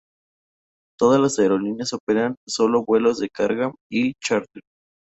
Todas las aerolíneas operan sólo vuelos de carga y charter.